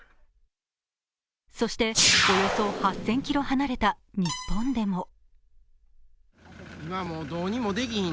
そしておよそ８０００ｋｍ離れた日本でも。